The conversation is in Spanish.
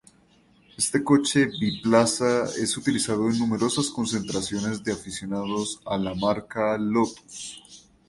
Este coche biplaza es utilizado en numerosas concentraciones de aficionados a la marca Lotus.